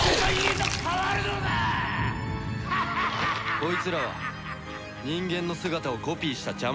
こいつらは人間の姿をコピーしたジャマトだ。